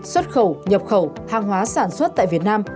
xuất khẩu nhập khẩu hàng hóa sản xuất tại việt nam